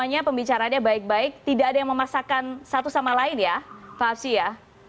artinya pembicaranya baik baik tidak ada yang memaksakan satu sama lain ya pak absi ya